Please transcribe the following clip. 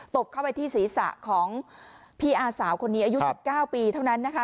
บเข้าไปที่ศีรษะของพี่อาสาวคนนี้อายุ๑๙ปีเท่านั้นนะคะ